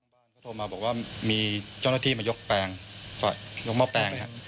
ก็โทรมาบอกว่ามีเจ้าท่อที่มายกมอบแปลง